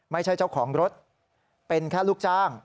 ไม่ใช่เจ้าของรถเป็นแค่ลูกจ้าง